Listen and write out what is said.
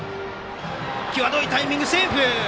際どいタイミングはセーフ。